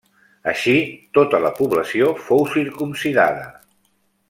Així, tota la població fou circumcidada.